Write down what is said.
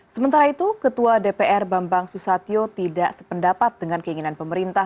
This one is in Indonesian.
sementara itu ketua dpr bambang susatyo tidak sependapat dengan keinginan pemerintah